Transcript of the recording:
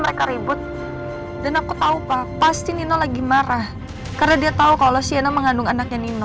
mereka ribut pak waktu di vila aku ngelihat kok mereka ribut dan aku tahu pak pasti nino lagi marah karena dia tahu kalau sienna mengandung anaknya nino